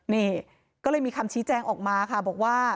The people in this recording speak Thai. นี่ก็เลยมีคำชี้แจงออกมาค่ะบอกว่า